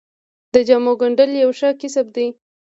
د جامو ګنډل یو ښه کسب دی